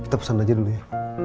kita pesan aja dulu ya